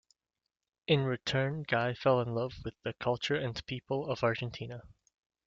In return, Guy fell in love with the culture and people of Argentina.